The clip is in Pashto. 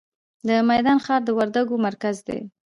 د میدان ښار د وردګو مرکز دی